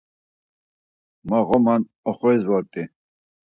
Ma ğoma oxoris vort̆i.